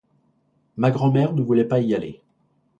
Ma grand-mère ne voulait pas y aller.